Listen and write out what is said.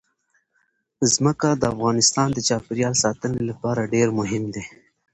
ځمکه د افغانستان د چاپیریال ساتنې لپاره ډېر مهم دي.